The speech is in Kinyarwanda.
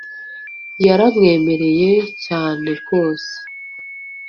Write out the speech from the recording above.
yara mwemereye cyane rwose